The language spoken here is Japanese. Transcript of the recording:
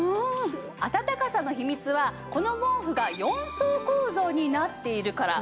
暖かさの秘密はこの毛布が４層構造になっているからなんですよね。